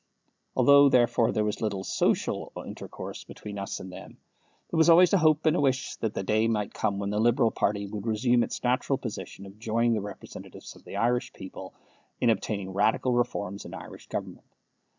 Although, therefore, there was little social intercourse between us and them, there was always a hope and a wish that the day might come when the Liberal party should resume its natural position of joining the representatives of the Irish people in obtaining radical reforms in Irish government.